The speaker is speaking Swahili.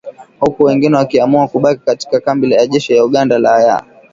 huku wengine wakiamua kubaki katika kambi ya jeshi la Uganda ya